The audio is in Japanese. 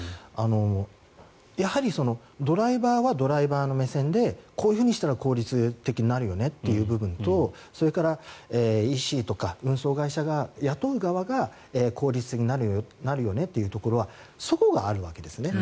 やはりドライバーはドライバーの目線でこういうふうにしたら効率的になるよねという部分とそれから、ＥＣとか運送会社雇う側が効率的になるよねというところは齟齬があるわけです。